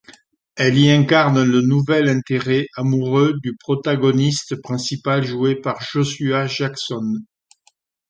Elle y incarne le nouvel intérêt amoureux du protagoniste principal joué par Joshua Jackson.